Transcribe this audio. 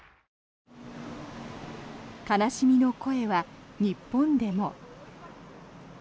悲しみの声は日本でも。